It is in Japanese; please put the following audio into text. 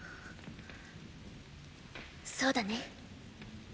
そうだね。